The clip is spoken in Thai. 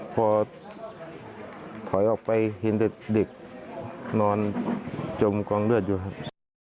พอถอยออกไปเห็นแต่เด็กนอนจมกองเลือดอยู่ครับ